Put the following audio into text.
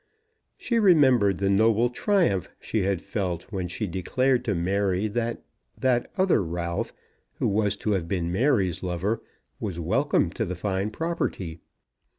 She remembered the noble triumph she had felt when she declared to Mary that that other Ralph, who was to have been Mary's lover, was welcome to the fine property.